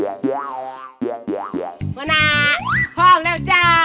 หมอน่าพร้อมแล้วจ้า